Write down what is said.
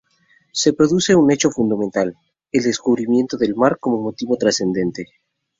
Se produce un hecho fundamental: el descubrimiento del mar como motivo trascendente.